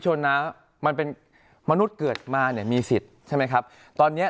ชนน้ำมันเป็นมนุษย์เกิดมาเนี่ยมีสิทธิ์ใช่ไหมครับตอนเนี้ย